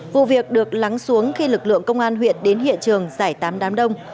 vụ việc được lắng xuống khi lực lượng công an huyện đến hiện trường giải tám đám đông